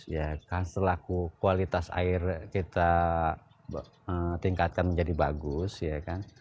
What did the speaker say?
ya kan selaku kualitas air kita tingkatkan menjadi bagus ya kan